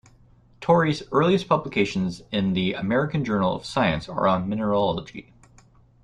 Torrey's earliest publications in the "American Journal of Science" are on mineralogy.